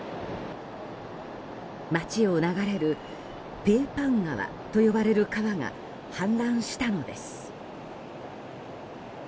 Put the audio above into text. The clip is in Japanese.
街を流れるペーパン川と呼ばれる川が氾濫したのです。